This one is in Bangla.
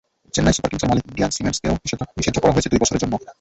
চেন্নাই সুপার কিংসের মালিক ইন্ডিয়ান সিমেন্টসকেও নিষিদ্ধ করা হয়েছে দুই বছরের জন্য।